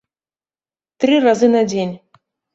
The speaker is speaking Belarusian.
Тры разы на дзень.